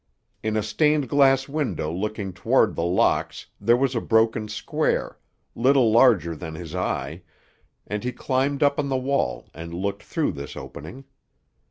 In a stained glass window looking toward The Locks there was a broken square, little larger than his eye, and he climbed up on the wall and looked through this opening.